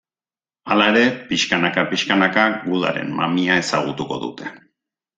Hala ere, pixkanaka-pixkanaka, gudaren mamia ezagutuko dute.